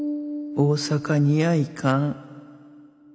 大阪にや行かん。